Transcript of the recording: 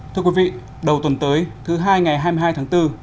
thưa quý vị đầu tuần tới thứ hai ngày hai mươi hai tháng bốn